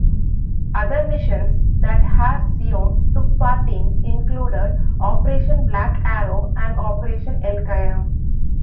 Other missions that Har-Zion took part in included Operation Black Arrow and Operation Elkayam.